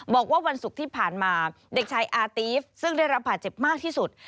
บอกว่าวันศุกร์ที่ผ่านมาเด็กชายอาตีฟซึ่งได้รับบาดเจ็บมากที่สุด